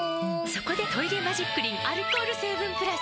そこで「トイレマジックリン」アルコール成分プラス！